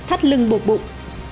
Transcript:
thắt lưng bụt bụng